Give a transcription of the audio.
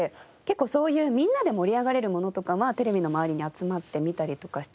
結構そういうみんなで盛り上がれるものとかはテレビの周りに集まって見たりとかしてましたね。